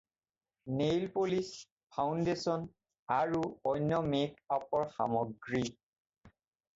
Nail polish, foundation আৰু অন্য মেক-আপৰ সামগ্ৰী।